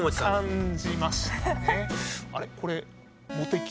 感じましたね。